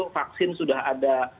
vaksin sudah ada